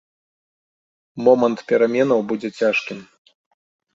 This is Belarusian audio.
Момант пераменаў будзе цяжкім.